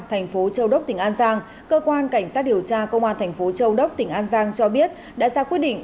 thành phố châu đốc tỉnh an giang cơ quan cảnh sát điều tra công an thành phố châu đốc tỉnh an giang cho biết đã ra quyết định